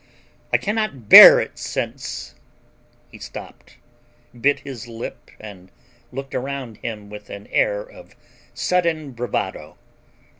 I can not bear it since—" He stopped, bit his lip and looked around him with an air of sudden bravado.